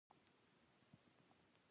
د خدای بنده ګان یو .